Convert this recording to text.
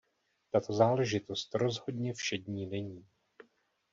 Tato záležitost rozhodně všední není.